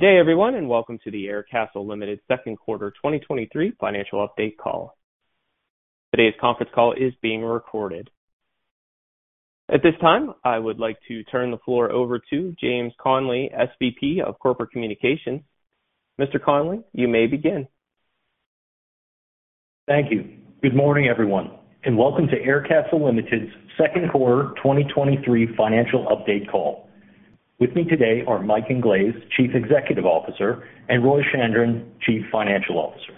Good day, everyone, and welcome to the Aircastle Limited Second Quarter 2023 Financial Update Call. Today's conference call is being recorded. At this time, I would like to turn the floor over to James Connelly, SVP of Corporate Communications. Mr. Connelly, you may begin. Thank you. Good morning, everyone, and welcome to Aircastle Limited's Second Quarter 2023 Financial Update Call. With me today are Mike Inglese, Chief Executive Officer, and Roy Chandran, Chief Financial Officer.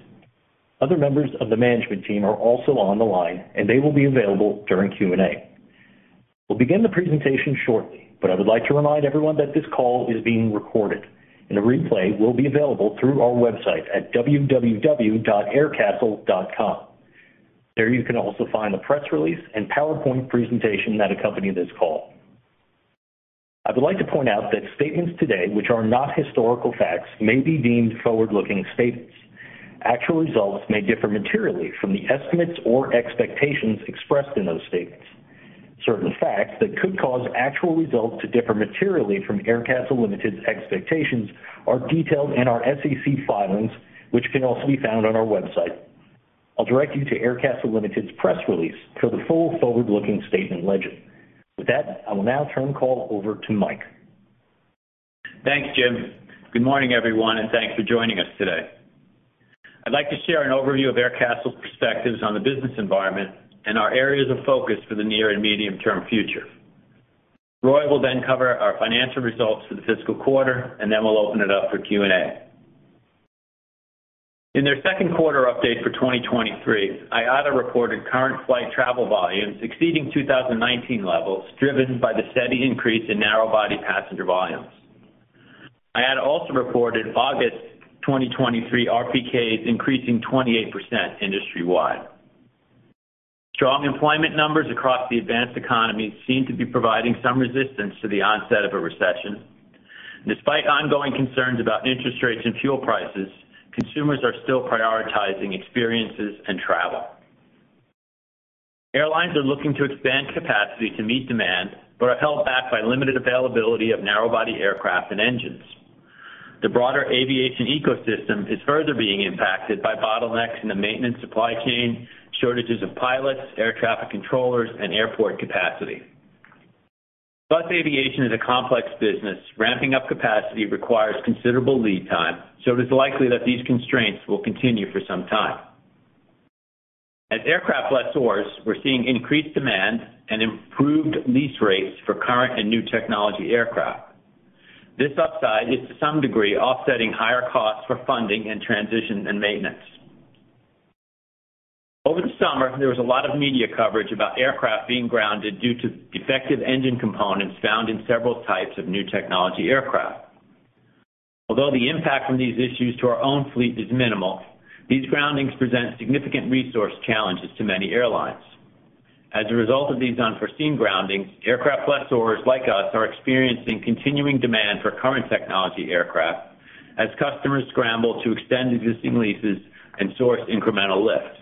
Other members of the management team are also on the line, and they will be available during Q&A. We'll begin the presentation shortly, but I would like to remind everyone that this call is being recorded, and a replay will be available through our website at www.aircastle.com. There you can also find the press release and PowerPoint presentation that accompany this call. I would like to point out that statements today which are not historical facts may be deemed forward-looking statements. Actual results may differ materially from the estimates or expectations expressed in those statements. Certain facts that could cause actual results to differ materially from Aircastle Limited's expectations are detailed in our SEC filings, which can also be found on our website. I'll direct you to Aircastle Limited's press release for the full forward-looking statement legend. With that, I will now turn the call over to Mike. Thanks, Jim. Good morning, everyone, and thanks for joining us today. I'd like to share an overview of Aircastle's perspectives on the business environment and our areas of focus for the near and medium-term future. Roy will then cover our financial results for the fiscal quarter, and then we'll open it up for Q&A. In their second quarter update for 2023, IATA reported current flight travel volumes exceeding 2019 levels, driven by the steady increase in narrow-body passenger volumes. IATA also reported August 2023 RPKs increasing 28% industry-wide. Strong employment numbers across the advanced economy seem to be providing some resistance to the onset of a recession. Despite ongoing concerns about interest rates and fuel prices, consumers are still prioritizing experiences and travel. Airlines are looking to expand capacity to meet demand, but are held back by limited availability of narrow-body aircraft and engines. The broader aviation ecosystem is further being impacted by bottlenecks in the maintenance supply chain, shortages of pilots, air traffic controllers, and airport capacity. Plus, aviation is a complex business. Ramping up capacity requires considerable lead time, so it is likely that these constraints will continue for some time. As aircraft lessors, we're seeing increased demand and improved lease rates for current and new technology aircraft. This upside is to some degree offsetting higher costs for funding and transition and maintenance. Over the summer, there was a lot of media coverage about aircraft being grounded due to defective engine components found in several types of new technology aircraft. Although the impact from these issues to our own fleet is minimal, these groundings present significant resource challenges to many airlines. As a result of these unforeseen groundings, aircraft lessors like us are experiencing continuing demand for current technology aircraft as customers scramble to extend existing leases and source incremental lift.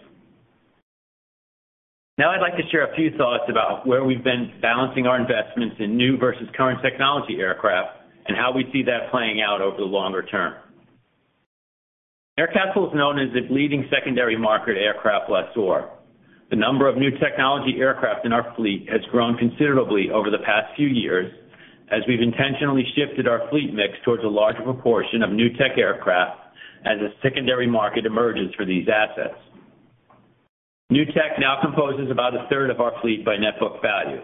Now, I'd like to share a few thoughts about where we've been balancing our investments in new versus current technology aircraft and how we see that playing out over the longer term. Aircastle is known as the leading secondary market aircraft lessor. The number of new technology aircraft in our fleet has grown considerably over the past few years, as we've intentionally shifted our fleet mix towards a larger proportion of new tech aircraft as a secondary market emerges for these assets. New tech now composes about a third of our fleet by net book value.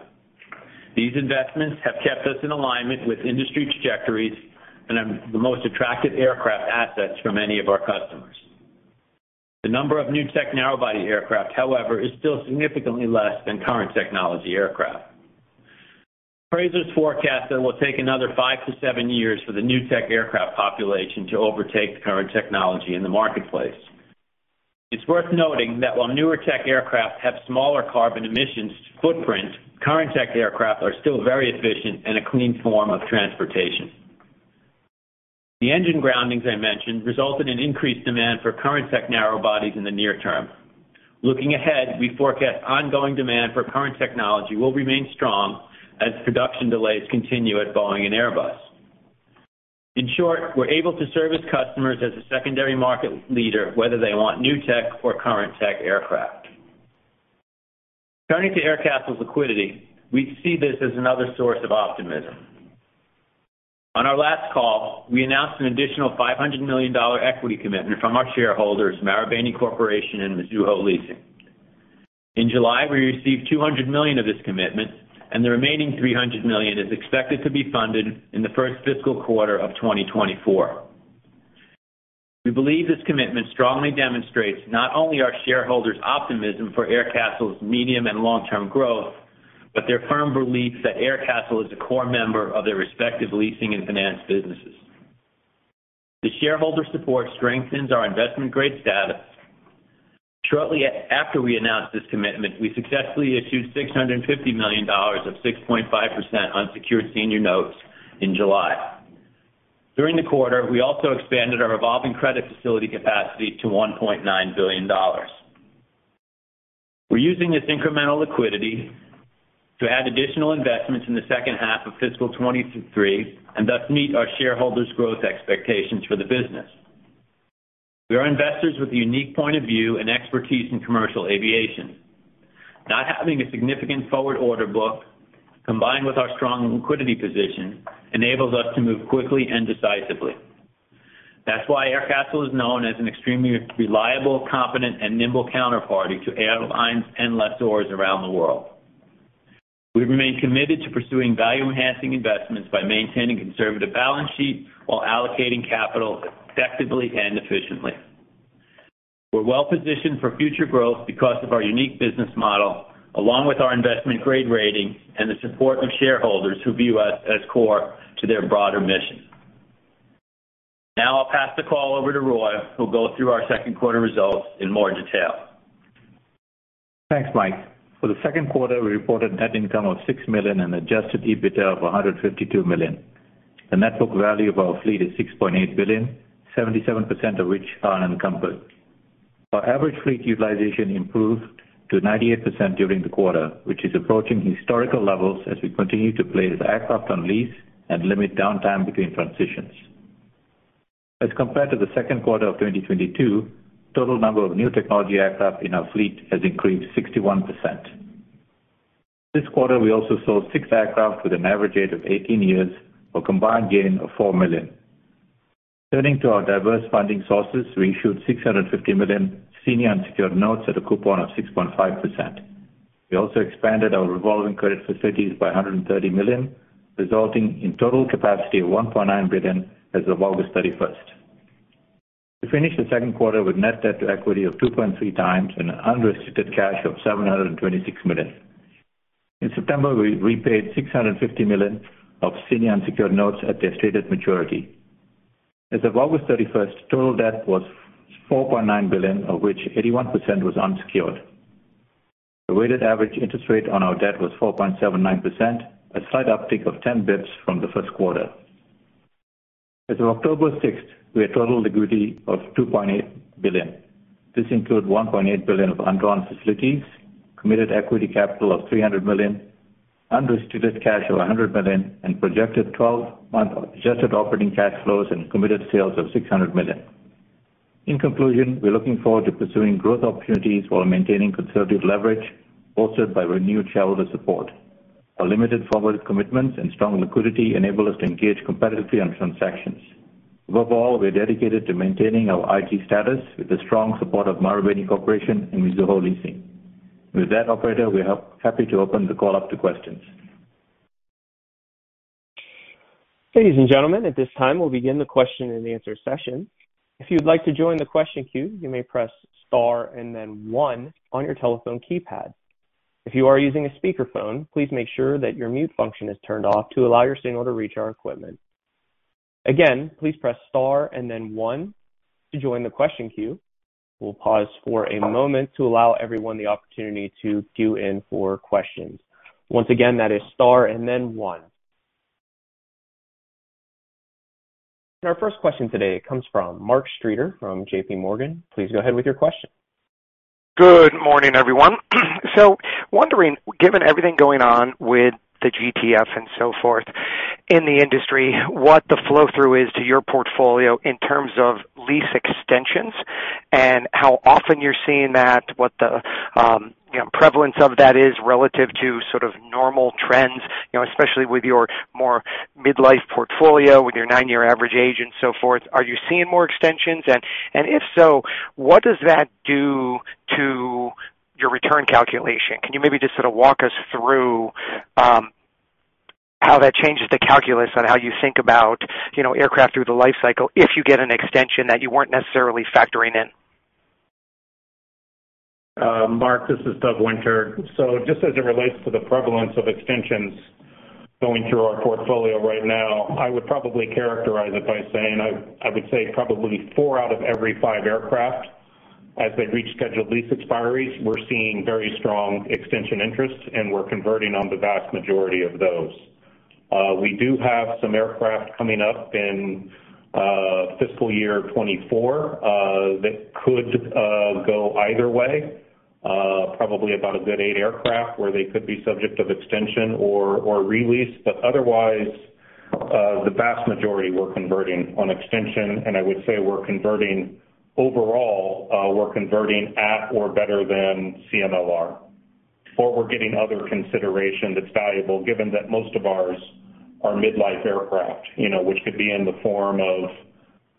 These investments have kept us in alignment with industry trajectories and are the most attractive aircraft assets for many of our customers. The number of new tech narrow-body aircraft, however, is still significantly less than current technology aircraft. Appraisers forecast that will take another five to seven years for the new tech aircraft population to overtake the current technology in the marketplace. It's worth noting that while newer tech aircraft have smaller carbon emissions footprint, current tech aircraft are still very efficient and a clean form of transportation. The engine groundings I mentioned resulted in increased demand for current tech narrow bodies in the near term. Looking ahead, we forecast ongoing demand for current technology will remain strong as production delays continue at Boeing and Airbus. In short, we're able to service customers as a secondary market leader, whether they want new tech or current tech aircraft. Turning to Aircastle's liquidity, we see this as another source of optimism. On our last call, we announced an additional $500 million equity commitment from our shareholders, Marubeni Corporation and Mizuho Leasing. In July, we received $200 million of this commitment, and the remaining $300 million is expected to be funded in the first fiscal quarter of 2024. We believe this commitment strongly demonstrates not only our shareholders' optimism for Aircastle's medium and long-term growth, but their firm belief that Aircastle is a core member of their respective leasing and finance businesses. The shareholder support strengthens our investment-grade status. Shortly after we announced this commitment, we successfully issued $650 million of 6.5% unsecured senior notes in July. During the quarter, we also expanded our revolving credit facility capacity to $1.9 billion. We're using this incremental liquidity to add additional investments in the second half of fiscal 2023, and thus meet our shareholders' growth expectations for the business. We are investors with a unique point of view and expertise in commercial aviation. Not having a significant forward order book, combined with our strong liquidity position, enables us to move quickly and decisively. That's why Aircastle is known as an extremely reliable, competent, and nimble counterparty to airlines and lessors around the world. We remain committed to pursuing value-enhancing investments by maintaining conservative balance sheet, while allocating capital effectively and efficiently. We're well positioned for future growth because of our unique business model, along with our investment grade rating and the support of shareholders who view us as core to their broader mission. Now I'll pass the call over to Roy, who'll go through our second quarter results in more detail. Thanks, Mike. For the second quarter, we reported net income of $6 million and adjusted EBITDA of $152 million. The net book value of our fleet is $6.8 billion, 77% of which are unencumbered. Our average fleet utilization improved to 98% during the quarter, which is approaching historical levels as we continue to place aircraft on lease and limit downtime between transitions. As compared to the second quarter of 2022, total number of new technology aircraft in our fleet has increased 61%. This quarter, we also sold six aircraft with an average age of 18 years, for a combined gain of $4 million. Turning to our diverse funding sources, we issued $650 million senior unsecured notes at a coupon of 6.5%. We also expanded our revolving credit facilities by $130 million, resulting in total capacity of $1.9 billion as of August 31st. We finished the second quarter with net debt to equity of 2.3 times and unrestricted cash of $726 million. In September, we repaid $650 million of senior unsecured notes at their stated maturity. As of August 31st, total debt was $4.9 billion, of which 81% was unsecured. The weighted average interest rate on our debt was 4.79%, a slight uptick of 10 basis points from the first quarter. As of October 6th, we had total liquidity of $2.8 billion. This includes $1.8 billion of undrawn facilities, committed equity capital of $300 million, unrestricted cash of $100 million, and projected 12-month adjusted operating cash flows and committed sales of $600 million. In conclusion, we're looking forward to pursuing growth opportunities while maintaining conservative leverage, bolstered by renewed shareholder support. Our limited forward commitments and strong liquidity enable us to engage competitively on transactions. Above all, we're dedicated to maintaining our IG status with the strong support of Marubeni Corporation and Mizuho Leasing. With that, operator, we are happy to open the call up to questions. Ladies and gentlemen, at this time, we'll begin the question and answer session. If you'd like to join the question queue, you may press star and then one on your telephone keypad. If you are using a speakerphone, please make sure that your mute function is turned off to allow your signal to reach our equipment. Again, please press star and then one to join the question queue. We'll pause for a moment to allow everyone the opportunity to queue in for questions. Once again, that is star and then one. Our first question today comes from Mark Streeter from JPMorgan. Please go ahead with your question. Good morning, everyone. Wondering, given everything going on with the GTF and so forth in the industry, what the flow-through is to your portfolio in terms of lease extensions and how often you're seeing that, what the, you know, prevalence of that is relative to sort of normal trends, you know, especially with your more mid-life portfolio, with your nine year average age and so forth. Are you seeing more extensions? If so, what does that do to your return calculation? Can you maybe just sort of walk us through, you know, how that changes the calculus on how you think about, you know, aircraft through the life cycle, if you get an extension that you weren't necessarily factoring in? Mark, this is Doug Winter. Just as it relates to the prevalence of extensions going through our portfolio right now, I would probably characterize it by saying, I would say probably four out of every five aircraft, as they've reached scheduled lease expiries, we're seeing very strong extension interest, and we're converting on the vast majority of those. We do have some aircraft coming up in fiscal year 2024 that could go either way. Probably about a good 8 aircraft where they could be subject of extension or re-lease. But otherwise, the vast majority we're converting on extension, and I would say we're converting—overall, we're converting at or better than CMLR, or we're getting other consideration that's valuable, given that most of ours are mid-life aircraft, you know, which could be in the form of,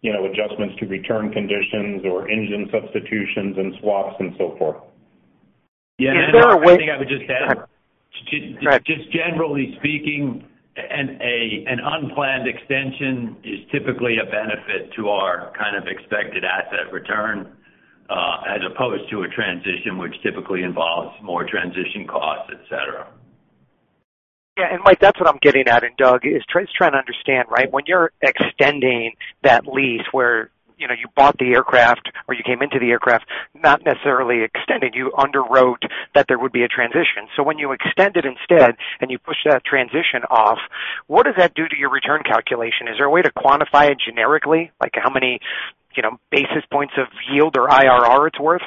you know, adjustments to return conditions or engine substitutions and swaps and so forth. Is there a way- Yeah, and I think I would just add, just generally speaking, an unplanned extension is typically a benefit to our kind of expected asset return, as opposed to a transition, which typically involves more transition costs, et cetera. Yeah, and, Mike, that's what I'm getting at, and Doug, is just trying to understand, right? When you're extending that lease where, you know, you bought the aircraft or you came into the aircraft, not necessarily extending, you underwrote that there would be a transition. So when you extend it instead and you push that transition off, what does that do to your return calculation? Is there a way to quantify it generically, like how many-... you know, basis points of yield or IRR it's worth?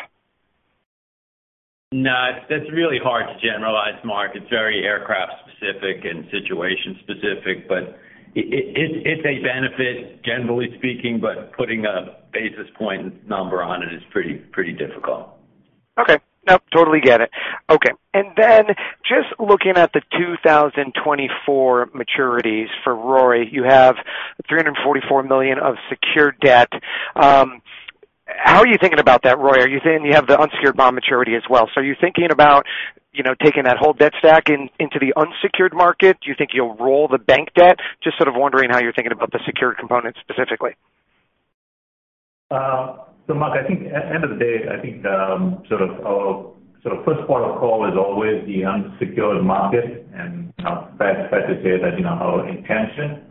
No, that's really hard to generalize, Mark. It's very aircraft specific and situation specific, but it, it's a benefit, generally speaking, but putting a basis point number on it is pretty, pretty difficult. Okay. No, totally get it. Okay, and then just looking at the 2024 maturities for Roy, you have $344 million of secured debt. How are you thinking about that, Roy? Are you thinking you have the unsecured bond maturity as well? So are you thinking about, you know, taking that whole debt stack in, into the unsecured market? Do you think you'll roll the bank debt? Just sort of wondering how you're thinking about the secured component specifically. So, Mark, I think at the end of the day, I think sort of our sort of first port of call is always the unsecured market, and fact is here that you know our intention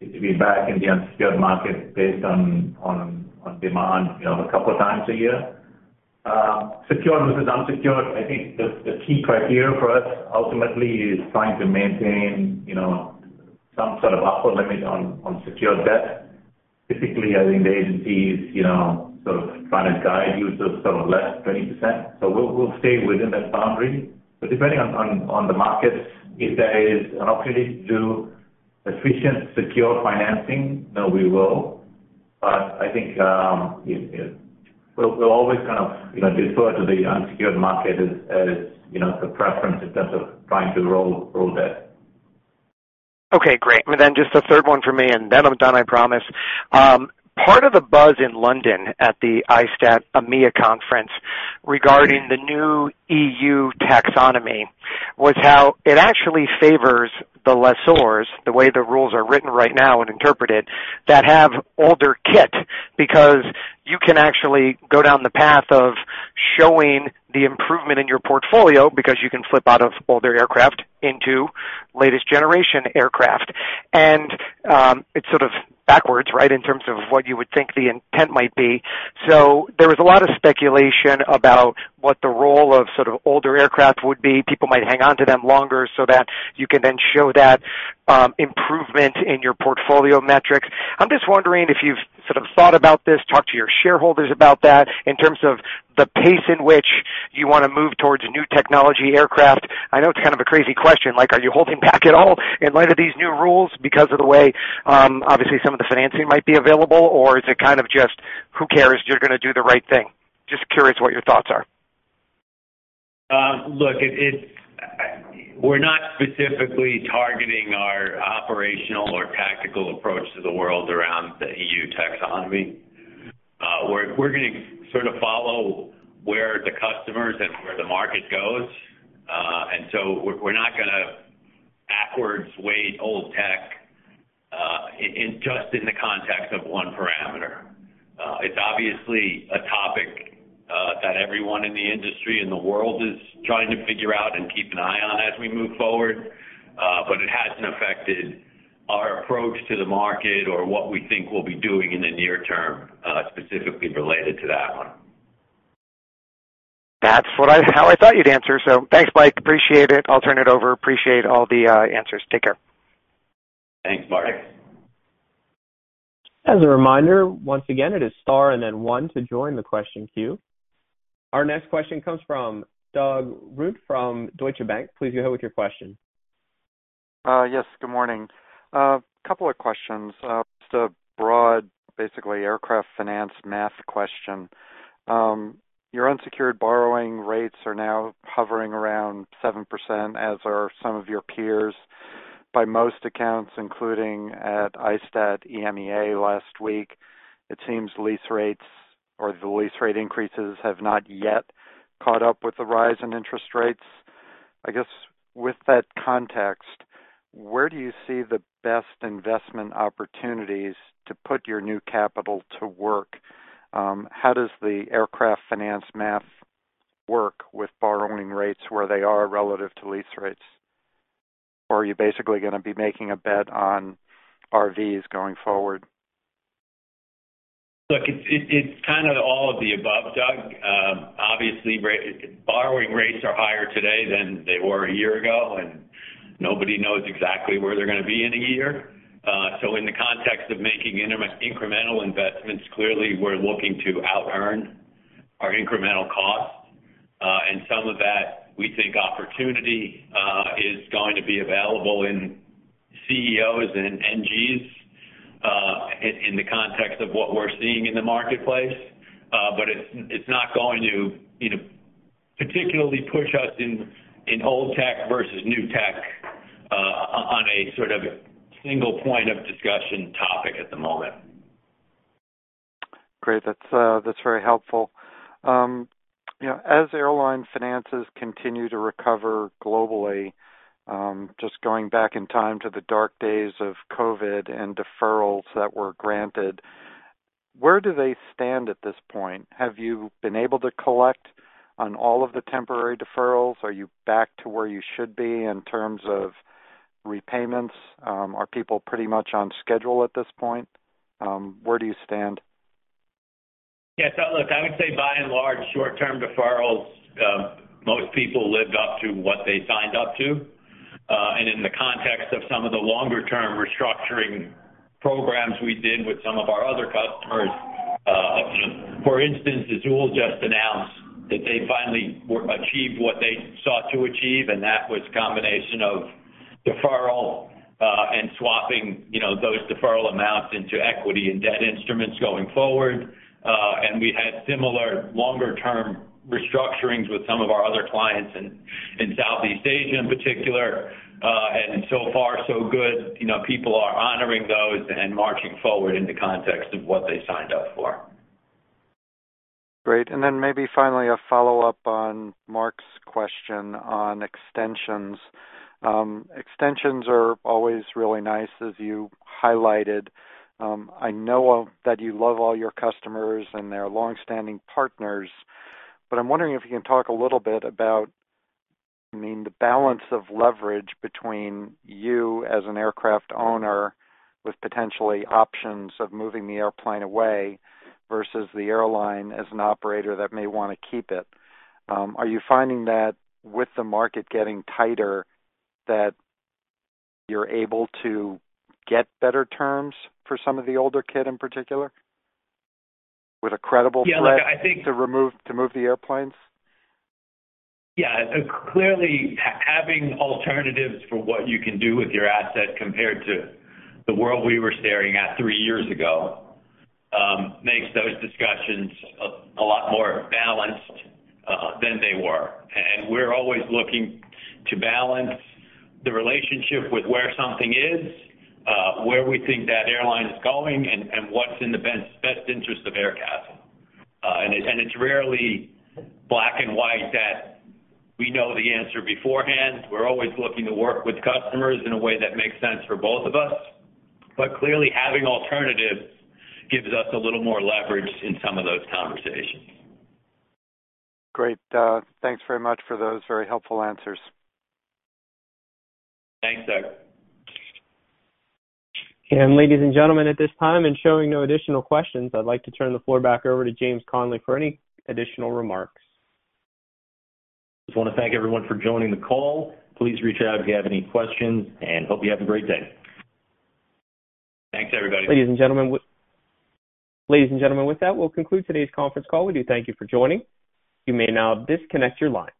is to be back in the unsecured market based on demand you know a couple of times a year. Secured versus unsecured, I think the key criteria for us ultimately is trying to maintain you know some sort of upper limit on secured debt. Typically, I think the agencies you know sort of trying to guide you to sort of less 20%. So we'll stay within that boundary. But depending on the markets, if there is an opportunity to do efficient secure financing, then we will. But I think we'll always kind of, you know, defer to the unsecured market as you know, the preference in terms of trying to roll that. Okay, great. And then just a third one for me, and then I'm done, I promise. Part of the buzz in London at the ISTAT EMEA conference regarding the new EU taxonomy, was how it actually favors the lessors, the way the rules are written right now and interpreted, that have older kit. Because you can actually go down the path of showing the improvement in your portfolio, because you can flip out of older aircraft into latest generation aircraft. And, it's sort of backwards, right? In terms of what you would think the intent might be. So there was a lot of speculation about what the role of sort of older aircraft would be. People might hang on to them longer so that you can then show that, improvement in your portfolio metrics. I'm just wondering if you've sort of thought about this, talked to your shareholders about that, in terms of the pace in which you want to move towards new technology aircraft. I know it's kind of a crazy question, like, are you holding back at all in light of these new rules? Because of the way, obviously, some of the financing might be available, or is it kind of just, who cares? You're going to do the right thing. Just curious what your thoughts are. Look, we're not specifically targeting our operational or tactical approach to the world around the EU taxonomy. We're gonna sort of follow where the customers and where the market goes. And so we're not gonna backwards weight old tech just in the context of one parameter. It's obviously a topic that everyone in the industry and the world is trying to figure out and keep an eye on as we move forward, but it hasn't affected our approach to the market or what we think we'll be doing in the near term, specifically related to that one. That's what I, how I thought you'd answer. So, thanks, Mike. Appreciate it. I'll turn it over. Appreciate all the answers. Take care. Thanks, Mark. As a reminder, once again, it is star and then one to join the question queue. Our next question comes from Doug Runte from Deutsche Bank. Please go ahead with your question. Yes, good morning. Couple of questions. Just a broad, basically, aircraft finance math question. Your unsecured borrowing rates are now hovering around 7%, as are some of your peers. By most accounts, including at ISTAT EMEA last week, it seems lease rates or the lease rate increases have not yet caught up with the rise in interest rates. I guess, with that context, where do you see the best investment opportunities to put your new capital to work? How does the aircraft finance math work with borrowing rates where they are relative to lease rates? Or are you basically gonna be making a bet on RVs going forward? Look, it's kind of all of the above, Doug. Obviously, borrowing rates are higher today than they were a year ago, and nobody knows exactly where they're gonna be in a year. So in the context of making incremental investments, clearly, we're looking to outearn our incremental costs. And some of that, we think opportunity, is going to be available in CEOs and NGs, in the context of what we're seeing in the marketplace. But it's not going to, you know, particularly push us in old tech versus new tech, on a sort of single point of discussion topic at the moment. Great. That's, that's very helpful. You know, as airline finances continue to recover globally, just going back in time to the dark days of COVID and deferrals that were granted, where do they stand at this point? Have you been able to collect on all of the temporary deferrals? Are you back to where you should be in terms of repayments? Are people pretty much on schedule at this point? Where do you stand? Yes, look, I would say by and large, short-term deferrals, most people lived up to what they signed up to. And in the context of some of the longer-term restructuring programs we did with some of our other customers, you know, for instance, Azul just announced that they finally achieved what they sought to achieve, and that was a combination of deferral, and swapping, you know, those deferral amounts into equity and debt instruments going forward. And we had similar longer-term restructurings with some of our other clients in Southeast Asia, in particular. And so far, so good. You know, people are honoring those and marching forward in the context of what they signed up for. Great. And then maybe finally, a follow-up on Mark's question on extensions. Extensions are always really nice, as you highlighted. I know that you love all your customers and they're long-standing partners, but I'm wondering if you can talk a little bit about, I mean, the balance of leverage between you as an aircraft owner with potentially options of moving the airplane away versus the airline as an operator that may want to keep it. Are you finding that with the market getting tighter, that you're able to get better terms for some of the older kit in particular, with a credible threat- Yeah, look, I think- to remove, to move the airplanes? Yeah. Clearly, having alternatives for what you can do with your asset compared to the world we were staring at three years ago makes those discussions a lot more balanced than they were. And we're always looking to balance the relationship with where something is, where we think that airline is going, and what's in the best interest of Aircastle. And it's rarely black and white that we know the answer beforehand. We're always looking to work with customers in a way that makes sense for both of us. But clearly, having alternatives gives us a little more leverage in some of those conversations. Great. Thanks very much for those very helpful answers. Thanks, Doug. Ladies and gentlemen, at this time, and showing no additional questions, I'd like to turn the floor back over to James Connelly for any additional remarks. Just want to thank everyone for joining the call. Please reach out if you have any questions, and hope you have a great day. Thanks, everybody. Ladies and gentlemen, with that, we'll conclude today's conference call. We do thank you for joining. You may now disconnect your line.